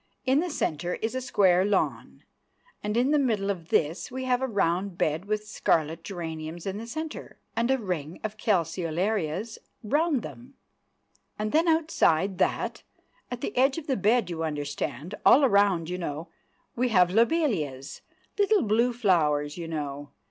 In the centre is a square lawn, and in the middle of this we have a round bed with scarlet geraniums in the centre, and a ring of calceolarias round them, and then outside that, at the edge of the bed, you understand, all round, you know, we have lobelias, little blue flowers, you know.